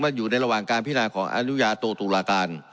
อยู่ในระหว่างการพินาของอนุญาโตตุลาการ